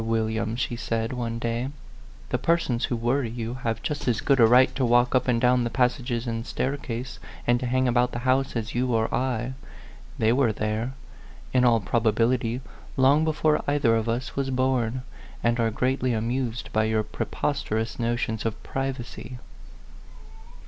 William," she said, one day, "the persons who worry you have just as good a right to walk up and down the pas sages and staircase, and to hang about the house, as you or I. They were there, in all probability, long before either of us was born, and are greatly amused by your pre posterous notions of privacy."